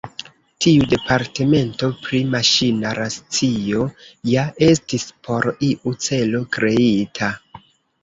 Tiu departemento pri Maŝina Racio ja estis por iu celo kreita.